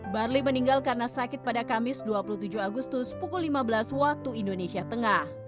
barli meninggal karena sakit pada kamis dua puluh tujuh agustus pukul lima belas waktu indonesia tengah